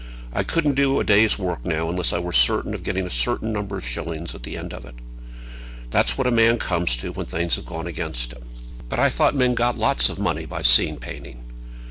I couldn't do a day's work now, unless I were certain of getting a certain number of shillings at the end of it. That's what a man comes to when things have gone against him." "But I thought men got lots of money by scene painting?"